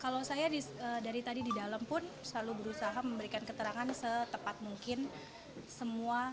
kalau saya dari tadi di dalam pun selalu berusaha memberikan keterangan setepat mungkin semua